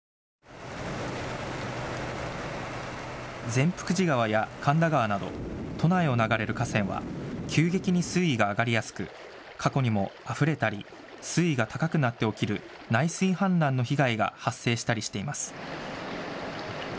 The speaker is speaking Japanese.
善福寺川や神田川など都内を流れる河川は急激に水位が上がりやすく過去にもあふれたり水位が高くなって起きる内水氾濫の被害が発生したりしています。